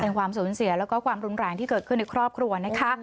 ความสูญเสียแล้วก็ความรุนแรงที่เกิดขึ้นในครอบครัวนะคะ